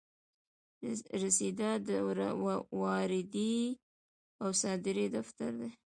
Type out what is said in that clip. رسیدات د واردې او صادرې دفتر دی.